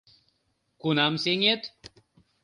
Кунам сеҥет?